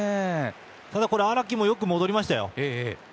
荒木もよく戻りましたよ。